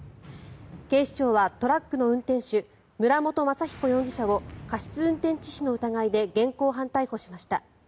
警視庁は、トラックの運転手村元雅彦容疑者を過失運転致死の疑いで現行犯逮捕しました。